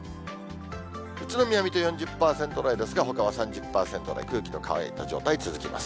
宇都宮、水戸、４０％台ですが、ほかは３０％台、空気の乾いた状態続きます。